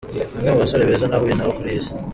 Ni umwe mu basore beza nahuye nabo kuri iyi si.